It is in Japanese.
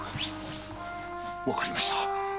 わかりました。